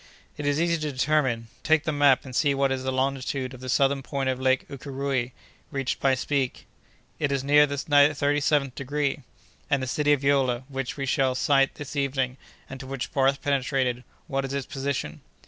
"It is easy to determine: take the map and see what is the longitude of the southern point of Lake Ukéréoué, reached by Speke." "It is near the thirty seventh degree." "And the city of Yola, which we shall sight this evening, and to which Barth penetrated, what is its position?"